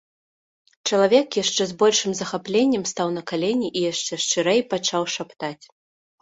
Чалавек яшчэ з большым захапленнем стаў на калені і яшчэ шчырэй пачаў шаптаць.